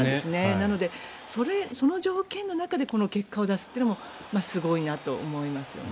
なので、その条件の中で結果を出すのもすごいと思いますよね。